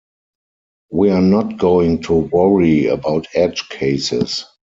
We're not going to worry about edge cases.